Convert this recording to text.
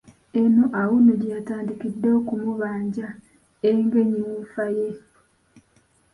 Eno Auno gye yatandikidde okumubanja Engenyi wuufa ye.